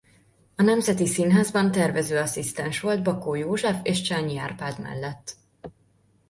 A Nemzeti Színházban tervező-asszisztens volt Bakó József és Csányi Árpád mellett.